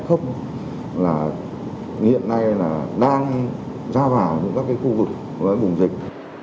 hiện nay là đang ra vào những các cái khu vực với bùng dịch